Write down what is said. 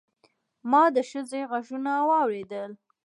ما د ښځې غږونه واورېدل.